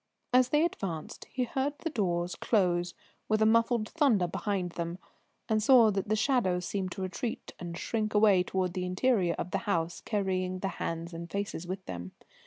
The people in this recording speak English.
As they advanced he heard the doors close with a muffled thunder behind them, and saw that the shadows seemed to retreat and shrink away towards the interior of the house, carrying the hands and faces with them.